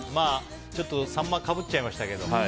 ちょっとサンマがかぶっちゃいましたけど。